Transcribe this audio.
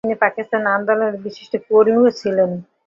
তিনি পাকিস্তান আন্দোলনের বিশিষ্ট কর্মীও ছিলেন।